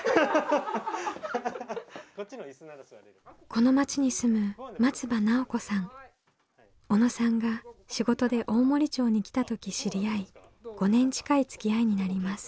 この町に住む小野さんが仕事で大森町に来た時知り合い５年近いつきあいになります。